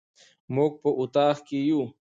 موږ په اطاق کي يو